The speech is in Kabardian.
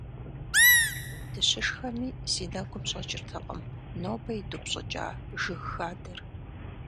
Дыщышхэми си нэгум щӀэкӀыртэкъым нобэ идупщӀыкӀа жыг хадэр.